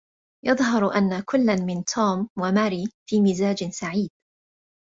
يظهر أن كلًّا من توم وماري في مزاج سعيد.